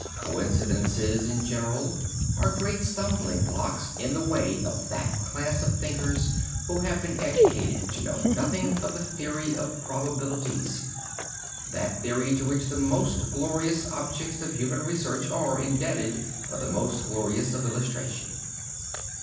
Coincidences, in general, are great stumbling blocks in the way of that class of thinkers who have been educated to know nothing of the theory of probabilities—that theory to which the most glorious objects of human research are indebted for the most glorious of illustration.